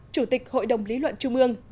chủ tịch hội đồng lý luận trung ương